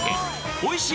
おいしい